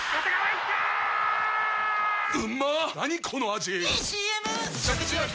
⁉いいＣＭ！！